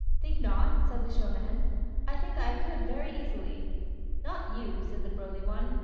"Think not?" said the showman. "I think I could very easily." "Not you," said the burly one.